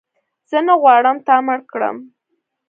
زه نه غواړم تا مړ کړم